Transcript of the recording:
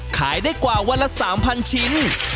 ขายได้กว่าวันละ๓๐๐ชิ้น